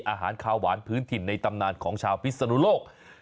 อาหารคาวหวานพื้นถิ่นในตำนานของชาวพิศนุโลก